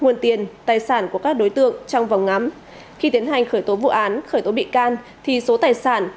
nguồn tiền tài sản của các đối tượng trong vòng ngắm khi tiến hành khởi tố vụ án khởi tố bị can thì số tài sản